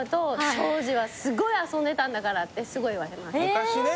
昔ね